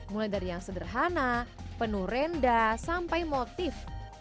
mulai dari yang sederhana penuh rendah sampai motif